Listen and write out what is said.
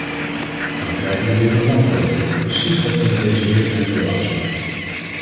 Dan krijgen we weer een lappendeken, precies wat we met deze richtlijn wilden afschaffen.